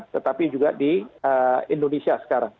tetapi juga di indonesia sekarang